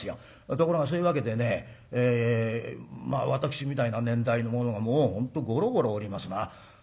ところがそういうわけでねまあ私みたいな年代の者がもう本当ごろごろおりますな。